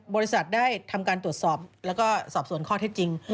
บริษัทได้ทำการตรวจสอบแล้วก็สอบสวนข้อเท็จจริง